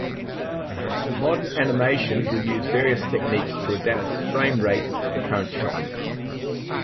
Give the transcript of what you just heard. Modern animation will use various techniques to adapt the framerate to the current shot.